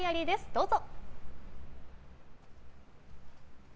どうぞ。